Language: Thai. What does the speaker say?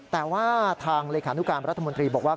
แต่ว่าทางเลขานุการรัฐมนตรีบอกว่า